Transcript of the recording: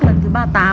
lần thứ ba mươi tám